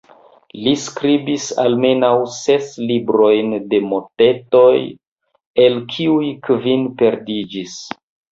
Li skribis almenaŭ ses librojn de motetoj, el kiuj kvin perdiĝis.